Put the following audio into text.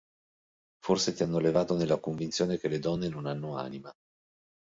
Forse ti hanno allevato nella convinzione che le donne non hanno anima.